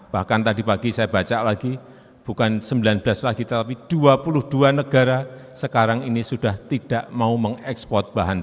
karena pertumbuhan penduduk kita satu dua puluh lima persen kenaikannya per tahun